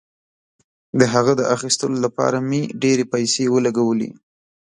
د هغه د اخیستلو لپاره مې ډیرې پیسې ولګولې.